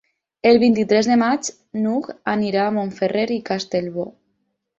El vint-i-tres de maig n'Hug anirà a Montferrer i Castellbò.